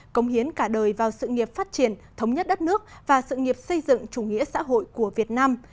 công hiến cả đời vào sự nghiệp phát triển thống nhất đất nước và sự nghiệp xây dựng chủ nghĩa xã hội của việt nam